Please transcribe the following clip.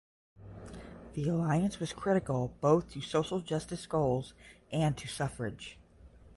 This alliance was critical both to social justice goals and to suffrage.